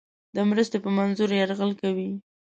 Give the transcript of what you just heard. د مرستې په منظور یرغل کوي.